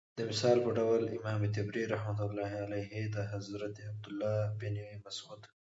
دمثال په ډول امام طبري رحمة الله عليه دحضرت عبدالله بن مسعود